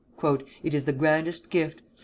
"It is the grandest gift," says M.